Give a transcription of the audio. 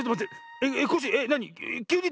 えっコッシーなに？